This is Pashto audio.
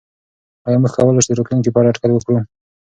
آیا موږ کولای شو د راتلونکي په اړه اټکل وکړو؟